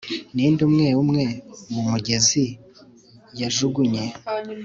Ninde umwe umwe mumugezi yajugunye